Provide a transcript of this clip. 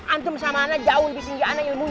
antum sama anak jauh lebih tinggi anak ilmu